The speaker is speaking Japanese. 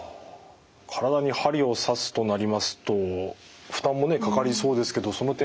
体に針を刺すとなりますと負担もかかりそうですけどその点はいかがですか？